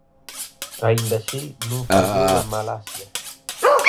Aínda así, non fallou en Malasia.